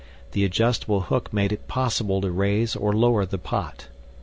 THE ADJUSTABLE HOOK MADE IT POSSIBLE TO RAISE OR LOWER THE POT.